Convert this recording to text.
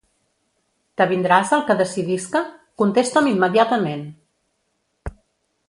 T'avindràs al que decidisca? Contesta'm immediatament!